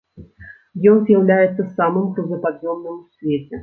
Ён з'яўляецца самым грузапад'ёмным ў свеце.